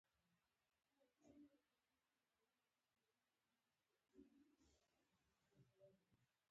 یو سل او نهمه پوښتنه د ترفیع وخت دی.